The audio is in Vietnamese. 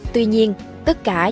tuy nhiên tất cả chỉ